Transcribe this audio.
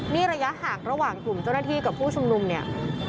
นี่ระยะห่างระหว่างกลุ่มเจ้าหน้าที่กับผู้ชุมนุมเนี่ย